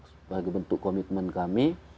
sebagai bentuk komitmen kami